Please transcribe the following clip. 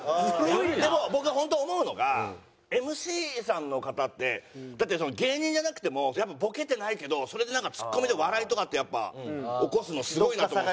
でも僕が本当思うのがＭＣさんの方ってだって芸人じゃなくてもやっぱボケてないけどそれでツッコミで笑いとかってやっぱ起こすのすごいなって。